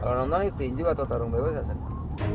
kalau nonton itu tinju atau tarung bebas ya saya